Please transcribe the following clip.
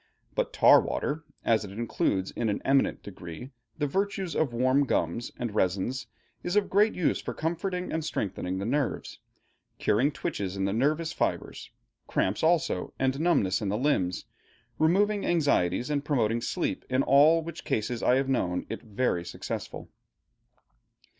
But tar water, as it includes in an eminent degree the virtues of warm gums and resins, is of great use for comforting and strengthening the nerves, curing twitches in the nervous fibres, cramps also, and numbness in the limbs, removing anxieties and promoting sleep, in all which cases I have known it very successful.